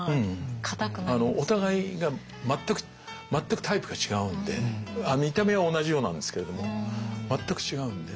お互いが全くタイプが違うんで見た目は同じようなんですけれども全く違うんで。